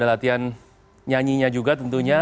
latihan nyanyinya juga tentunya